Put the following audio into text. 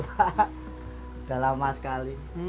udah lama sekali